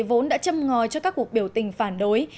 vốn đã châm ngòi cho các cuộc biểu tình phản đối